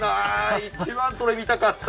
一番それ見たかった！